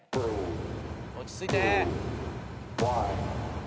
・落ち着いて。